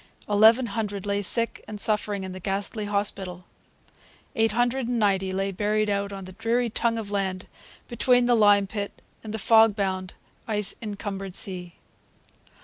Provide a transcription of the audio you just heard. Eleven hundred lay sick and suffering in the ghastly hospital. Eight hundred and ninety lay buried out on the dreary tongue of land between the lime pit and the fog bound, ice encumbered sea.